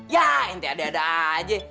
ya ente ada ada aja